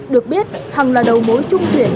được biết hằng là đầu mối trung chuyển